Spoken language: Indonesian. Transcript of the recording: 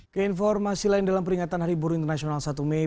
keinformasi lain dalam peringatan hari buru internasional satu mei